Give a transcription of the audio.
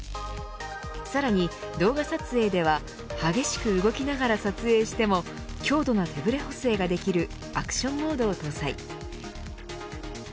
さらに動画撮影では激しく動きながら撮影しても強度な手ぶれ補正ができるアクションモードを搭載。